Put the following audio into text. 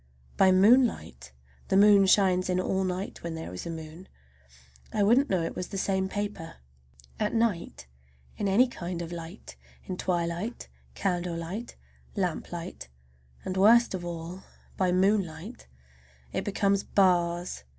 By moonlight—the moon shines in all night when there is a moon—I wouldn't know it was the same paper. At night in any kind of light, in twilight, candlelight, lamplight, and worst of all by moonlight, it becomes bars!